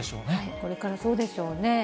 これからそうでしょうね。